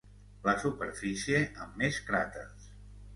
La superfície amb més cràters.